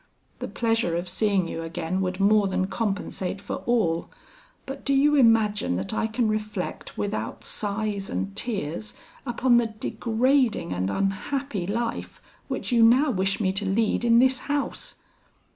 The pleasure of seeing you again would more than compensate for all; but do you imagine that I can reflect without sighs and tears upon the degrading and unhappy life which you now wish me to lead in this house?